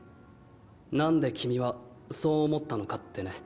なんで君はそう思ったのかってね。